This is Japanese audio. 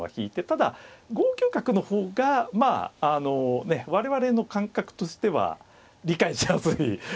ただ５九角の方がまああの我々の感覚としては理解しやすい。